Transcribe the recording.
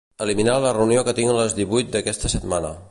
Eliminar la reunió que tinc a les divuit d'aquesta setmana.